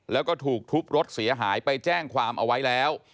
แล้วก็ถูกทุบรถเสียหายไปแจ้งความเอาไว้แล้ว